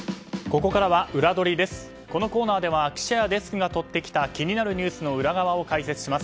このコーナーでは記者やデスクが取ってきた気になるニュースの裏側を解説します。